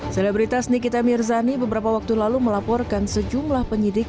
selebritas nikita mirzani beberapa waktu lalu melaporkan sejumlah penyidik